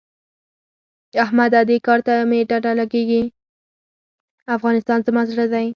افغانستان زما زړه دی.